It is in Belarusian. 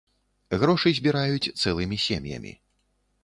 Грошы збіраюць цэлымі сем'ямі.